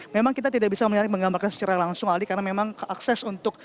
memang kita tidak bisa menggambarkan secara langsung aldi karena memang akses untuk